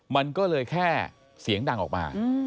มันก็เลยแค่เสียงดังออกมา